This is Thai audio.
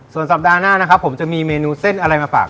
ส่วนสัปดาห์หน้านะครับผมจะมีเมนูเส้นอะไรมาฝาก